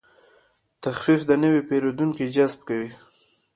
تخفیف د نوي پیرودونکو جذب کوي.